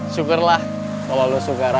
cukurlah kalau lo sukara